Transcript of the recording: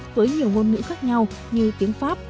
với nhiều ngôn ngữ khác nhau như tiếng pháp